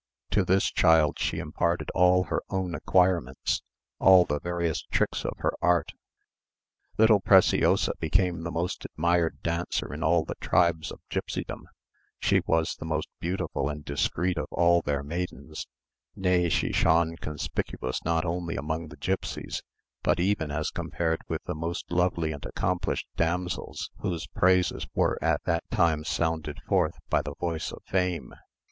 To this child she imparted all her own acquirements, all the various tricks of her art. Little Preciosa became the most admired dancer in all the tribes of Gipsydom; she was the most beautiful and discreet of all their maidens; nay she shone conspicuous not only among the gipsies, but even as compared with the most lovely and accomplished damsels whose praises were at that time sounded forth by the voice of fame.